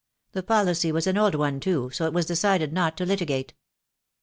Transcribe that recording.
The policy was an old one, too, and so it was decided not to litigate."